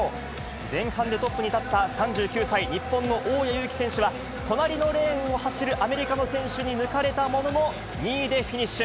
前半でトップに立った３９歳、日本の大矢勇気選手は、隣のレーンを走るアメリカの選手に抜かれたものの、２位でフィニッシュ。